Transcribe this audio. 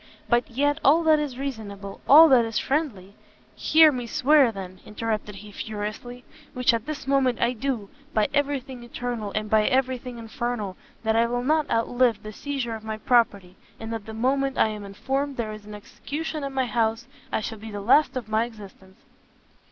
but yet, all that is reasonable, all that is friendly " "Hear me swear, then!" interrupted he, furiously, "which at this moment I do, by every thing eternal, and by every thing infernal, that I will not outlive the seizure of my property, and that the moment I am informed there is an execution in my house, shall be the last of my existence!"